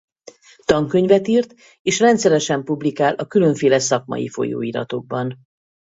Tankönyvet írt és rendszeresen publikál a különféle szakmai folyóiratokban.